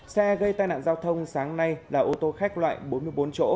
xe gây tai nạn giao thông sáng nay là ô tô khách loại bốn mươi bốn chỗ